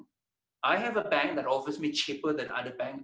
saya punya bank yang memberi saya harga yang lebih murah dari bank lain